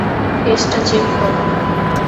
কেসটা চেক করো।